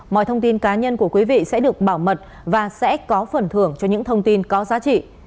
mọi thông tin cá nhân của quý vị sẽ được bảo mật và sẽ có phần thưởng cho những thông tin có giá trị